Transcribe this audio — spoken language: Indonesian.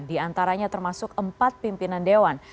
di antaranya termasuk empat pimpinan dewan